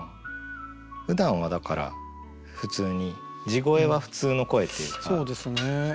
ふだんはだから普通に地声は普通の声っていうか低い声なんでしょうね。